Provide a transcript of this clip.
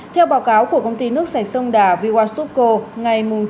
theo báo cáo của công ty nước sạch sông đà vywa subco ngày chín một mươi